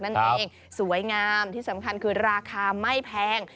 นั่นเองสวยงามที่สำคัญคือราคาไม่แพง